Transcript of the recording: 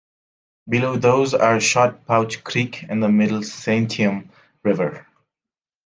Below those are Shot Pouch Creek and the Middle Santiam River.